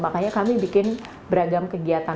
makanya kami bikin beragam kegiatan